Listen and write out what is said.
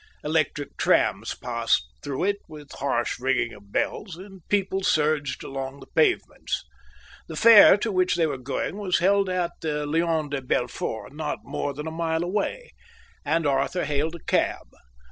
Electric trams passed through it with harsh ringing of bells, and people surged along the pavements. The fair to which they were going was held at the Lion de Belfort, not more than a mile away, and Arthur hailed a cab.